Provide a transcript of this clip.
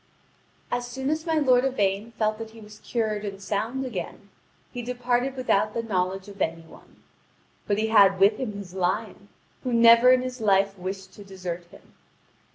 (Vv. 6527 6658.) As soon as my lord Yvain felt that he was cured and sound again, he departed without the knowledge of any one. But he had with him his lion, who never in his life wished to desert him.